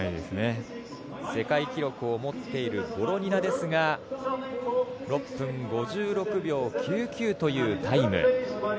世界記録を持っているボロニナですが６分５６秒９９というタイム。